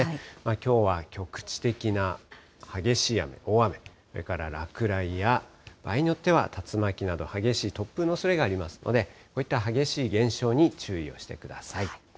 きょうは局地的な激しい雨、大雨、それから落雷や、場合によっては竜巻など、激しい突風のおそれがありますので、こういった激しい現象に注意をしてください。